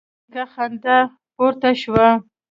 د نيکه خندا پورته شوه: